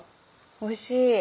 おいしい！